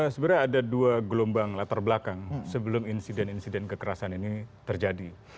sebenarnya ada dua gelombang latar belakang sebelum insiden insiden kekerasan ini terjadi